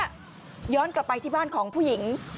ย้อนกลับไปที่บ้านของผู้หญิง